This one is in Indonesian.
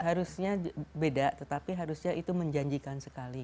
harusnya beda tetapi harusnya itu menjanjikan sekali